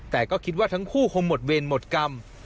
แต่ก็คิดว่าทั้งคู่คงหมดเวรหมดกรรม